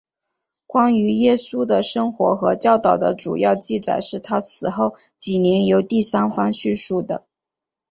关于耶稣的生活和教导的主要记载是他死后几年由第三方叙述的。